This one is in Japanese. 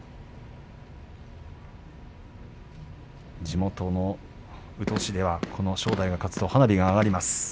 地元の宇土市ではこの正代が勝つと花火が上がります。